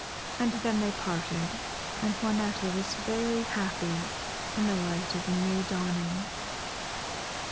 And then they parted, and Juanetta was very happy in the light of the new dawning.